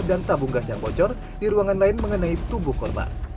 dan tabung gas yang bocor di ruangan lain mengenai tubuh korban